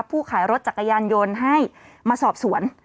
ผู้ขายรถจักรยานยนต์ให้มาสอบสวน